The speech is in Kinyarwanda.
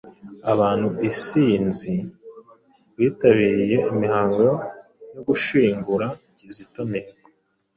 Abantu isinzi bitabiriye imihango ya gushingura Kizito Mihigo